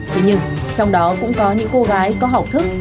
thế nhưng trong đó cũng có những cô gái có học thức